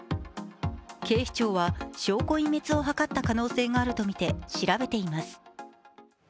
警視庁は証拠隠滅を図った可能性があるとみて調べています。